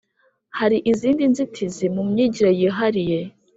Hari izindi nzitizi mu myigire yihariye